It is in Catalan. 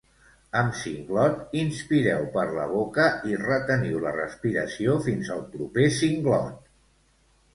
Amb singlot inspireu per la boca i reteniu la respiració fins el proper singlot